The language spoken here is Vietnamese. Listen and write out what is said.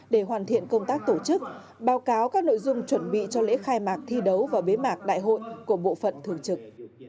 để hoàn thiện công tác tổ chức báo cáo các nội dung chuẩn bị cho lễ khai mạc thi đấu và bế mạc đại hội của bộ phận thường trực